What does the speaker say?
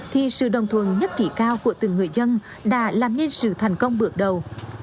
thì sự đồng thuận nhất trí cao của từng người dân đã làm nên sự thành công bước đầu